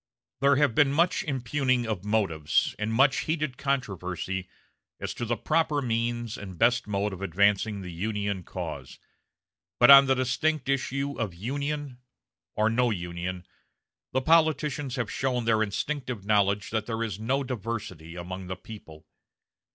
There have been much impugning of motives and much heated controversy as to the proper means and best mode of advancing the Union cause; but on the distinct issue of Union or no Union the politicians have shown their instinctive knowledge that there is no diversity among the people.